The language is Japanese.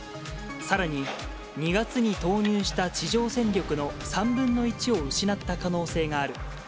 さらに２月に投入した地上戦力の３分の１を失った可能性がある。